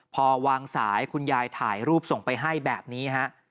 พอวางสายคุณยายถ่ายรูปส่งไปให้แบบนี้ฮะ